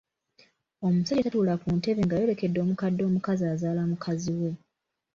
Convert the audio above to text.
Omusajja tatuula ku ntebe ng’ayolekedde omukadde omukazi azaala mukazi we.